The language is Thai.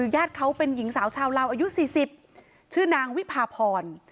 ญาติเขาเป็นหญิงสาวชาวลาวอายุ๔๐ชื่อนางวิพาพร